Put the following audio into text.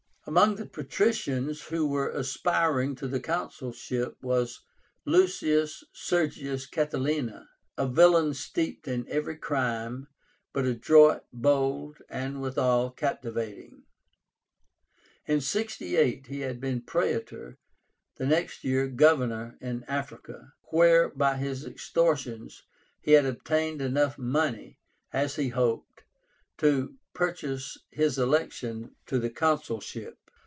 Among the patricians who were aspiring to the consulship was LUCIUS SERGIUS CATILÍNA, a villain steeped in every crime, but adroit, bold, and withal captivating. In 68 he had been Praetor, the next year Governor in Africa, where by his extortions he had obtained enough money, as he hoped, to purchase his election to the consulship.